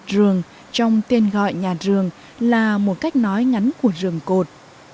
rường trong tên gọi nhà rường là một cách nói ngắn của rừng cột